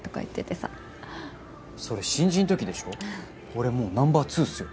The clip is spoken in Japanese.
俺もうナンバー２っすよ。